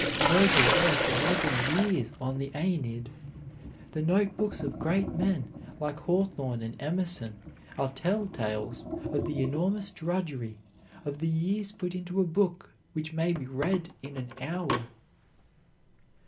Vergil worked eleven years on the Aeneid. The note books of great men like Hawthorne and Emerson are tell tales of the enormous drudgery, of the years put into a book which may be read in an hour.